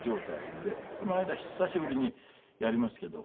この間久しぶりにやりましたけど。